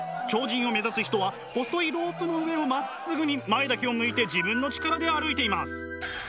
超人を目指す人は細いロープの上をまっすぐに前だけを向いて自分の力で歩いています。